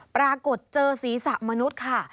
ปรากฏเจอศีรษะมนุษย์ค่ะ